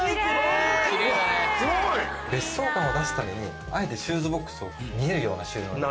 すごい！別荘感を出すためにあえてシューズボックスを見えるような収納に。